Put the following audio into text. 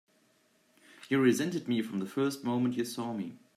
You've resented me from the first moment you saw me!